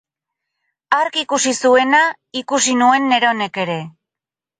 Hark ikusi zuena ikusi nuen neronek ere.